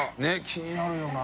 佑気になるよな。